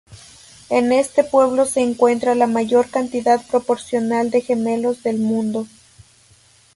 En este pueblo se encuentra la mayor cantidad proporcional de gemelos del mundo.